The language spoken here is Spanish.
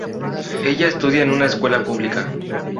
Ella estudia en una escuela pública.